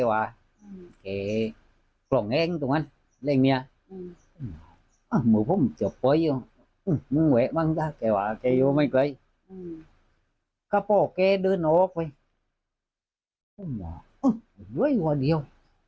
เว้ยอยู่อันเดียว